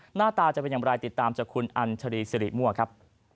หน้าตาจะเป็นอย่างไรติดตามจากคุณอัญชรีสิริมั่วครับ